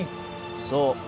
そう。